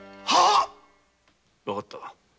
わかった。